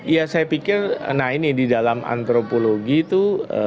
ya saya pikir nah ini di dalam antropologi itu